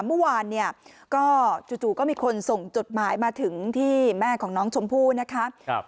เมื่อวานเนี่ยก็จู่ก็มีคนส่งจดหมายมาถึงที่แม่ของน้องชมพู่นะคะ